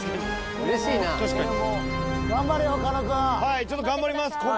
嬉しいなはいちょっと頑張ります